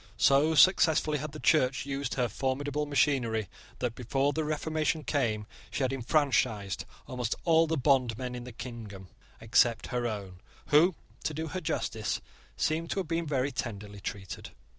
So successfully had the Church used her formidable machinery that, before the Reformation came, she had enfranchised almost all the bondmen in the kingdom except her own, who, to do her justice, seem to have been very tenderly treated.